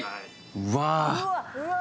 うわ！